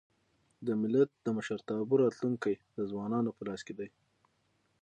د ملت د مشرتابه راتلونکی د ځوانانو په لاس کي دی.